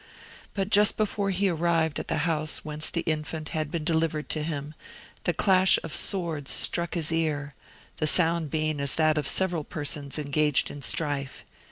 But just before he arrived at the house whence the infant had been delivered to him, the clash of swords struck his ear, the sound being as that of several persons engaged in strife.